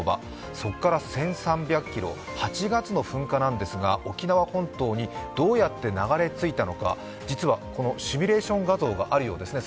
そこから１３００ｋｍ、８月の噴火なんですが沖縄本島にどうやって流れ着いたのか実はシミュレーション画像があるそうです。